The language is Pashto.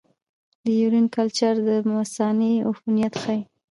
د یورین کلچر د مثانې عفونت ښيي.